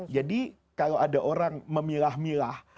jadi kalau ada orang memilah milah